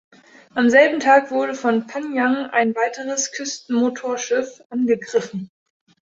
Am selben Tag wurde vor Panjang ein weiteres Küstenmotorschiff angegriffen.